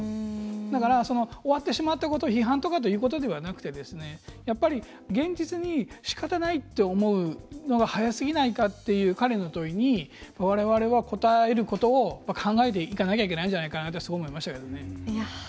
だから、終わってしまったことを批判とかということではなくて現実に、しかたないと思うのが早すぎないかという彼の問いにわれわれは答えることを考えていかなきゃいけないんじゃないかなと思いましたけどね。